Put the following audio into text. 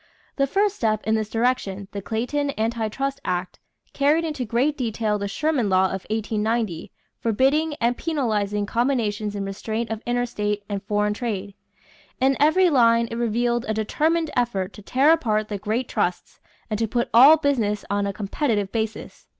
The first step in this direction, the Clayton Anti trust Act, carried into great detail the Sherman law of 1890 forbidding and penalizing combinations in restraint of interstate and foreign trade. In every line it revealed a determined effort to tear apart the great trusts and to put all business on a competitive basis.